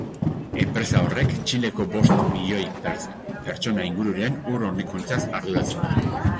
Enpresa horrek Txileko bost milioi pertsona ingururen ur-hornikuntzaz arduratzen da.